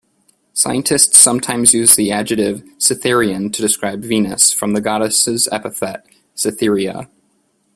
Scientists sometimes use the adjective "Cytherean" to describe Venus, from the goddess' epithet "Cytherea".